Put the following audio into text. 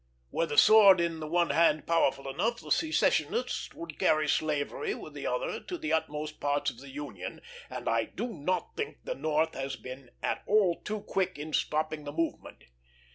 "Were the sword in the one hand powerful enough, the secessionists would carry slavery with the other to the uttermost parts of the Union, and I do not think the North has been at all too quick in stopping the movement."